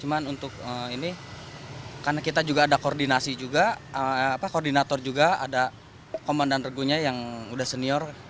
cuma untuk ini karena kita juga ada koordinasi juga koordinator juga ada komandan regunya yang udah senior